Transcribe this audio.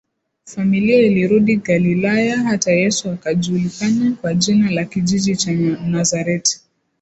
Familia ilirudi Galilaya hata Yesu akajulikana kwa jina la kijiji cha Nazareti